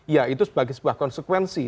ya itu sebagai sebuah konsekuensi